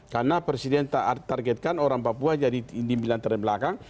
karena presiden targetkan orang papua jadi di belakang